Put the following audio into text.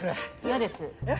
嫌です。え？